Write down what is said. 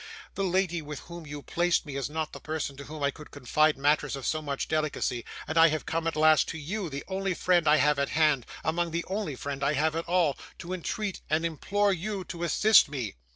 The lady with whom you placed me, is not the person to whom I could confide matters of so much delicacy, and I have come at last to you, the only friend I have at hand almost the only friend I have at all to entreat and implore you to assist me.